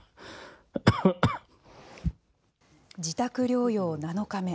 自宅療養７日目。